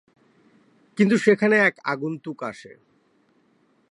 কিন্তু সেখানে এক আগন্তুক আসে।